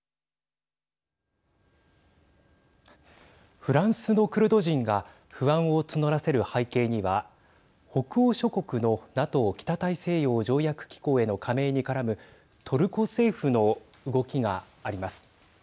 フランスのクルド人が不安を募らせる背景には北欧諸国のＮＡＴＯ＝北大西洋条約機構への加盟に絡むトルコ政府の動きがあります。